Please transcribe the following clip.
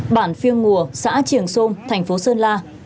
bản phiêng ngùa xã trường sôm thành phố sơn la